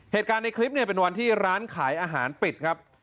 เหตุการณ์ในคลิปเนี่ยเป็นวันที่ร้านขายอาหารปิดครับ